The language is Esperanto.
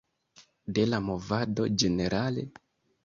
De la movado ĝenerale?